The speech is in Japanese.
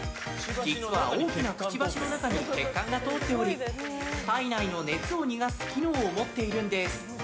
実は、大きなくちばしの中に血管が通っており体内の熱を逃がす機能を持っているんです。